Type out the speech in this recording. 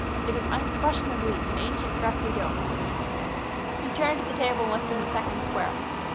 It is unquestionably an ancient graffito." He turned to the table and lifted the second square.